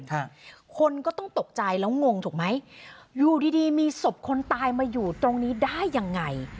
คนก็ต้องตกใจแล้วงงถูกไหมอยู่ดีดีมีศพคนตายมาอยู่ตรงนี้ได้ยังไง